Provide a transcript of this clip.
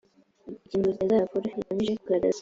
igenzura rya za raporo rigamije kugaragaza